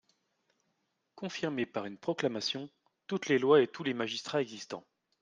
Confirmer par une proclamation toutes les lois et tous les magistrats existans.